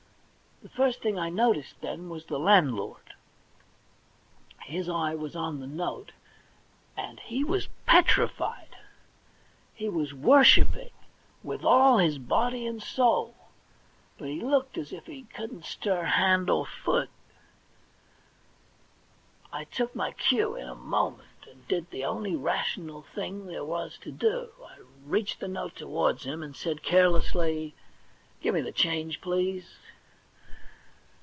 The first thing I noticed, then, 6 THE £1,000,000 BANK NOTE was the landlord. His eye was on the note, and he was petrified. He was worshipping, with all his body and soul, but he looked as if he couldn't stir hand or foot. I took my cue in a moment, and did the only rational thing there was to do. I reached the note towards him, and said carelessly :' Give me the change, please.'